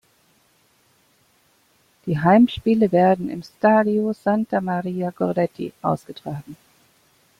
Die Heimspiele werden im Stadio Santa Maria Goretti ausgetragen.